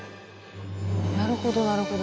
なるほどなるほど。